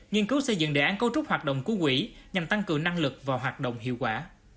nghiên cứu xây dựng đề án cấu trúc hoạt động của quỹ nhằm tăng cường năng lực và hoạt động hiệu quả